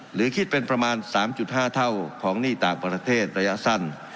หรือคิดเป็นประมาณ๓๕เท่าของหนี้ต่างประเทศระยะสั้น